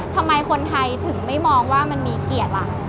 ทำไมคนไทยถึงไม่มองว่ามันมีเกียรติล่ะ